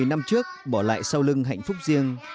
một mươi năm trước bỏ lại sau lưng hạnh phúc riêng